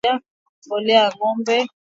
mbolea ya ngombe